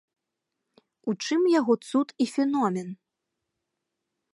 У чым яго цуд і феномен?